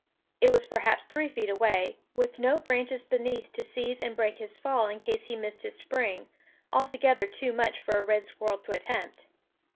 It was perhaps three feet away, with no branches beneath to seize and break his fall in case he missed his spring, altogether too much for a red squirrel to attempt.